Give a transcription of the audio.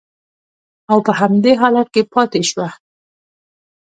او په همدې حالت کې پاتې شوه